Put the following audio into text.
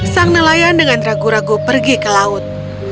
sang nelayan dengan ragu ragu pergi ke laut